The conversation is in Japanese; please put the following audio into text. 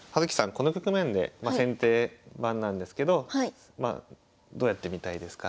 この局面でまあ先手番なんですけどまあどうやってみたいですか？